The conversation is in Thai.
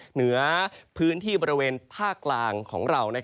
เหนือพื้นที่บริเวณภาคกลางของเรา